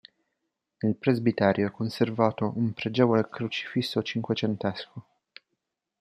Nel presbiterio è conservato un pregevole crocifisso cinquecentesco.